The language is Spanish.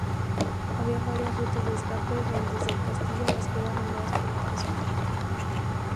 Había varias rutas de escape desde el castillo a las cuevas reveladas por casualidad.